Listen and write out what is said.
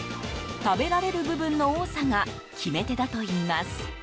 食べられる部分の多さが決め手だといいます。